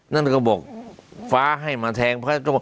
นั่นก็บอกฟ้าให้มาแทงฟ้า